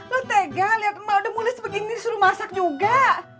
lo tega liat emang udah mulai sebegini disuruh masak juga